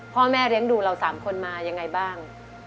พ่อแม่เลี้ยงดูเรา๓คนมายังไงบ้าง